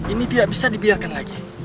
ini tidak bisa dibiarkan aja